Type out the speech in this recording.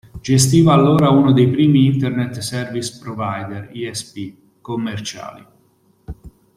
Gestiva allora uno dei primi Internet Service Provider (ISP) commerciali.